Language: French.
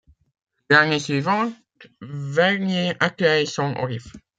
L’année suivante, Vernier accueille son Orif.